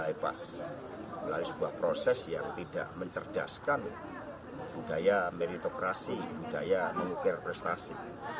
bypass melalui sebuah proses yang tidak mencerdaskan budaya meritokrasi budaya mengukir prestasi